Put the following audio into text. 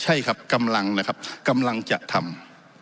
ใช่ครับกำลังนะครับกำลังจะทำ